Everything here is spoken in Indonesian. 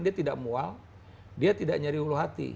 dia tidak mual dia tidak nyari ulu hati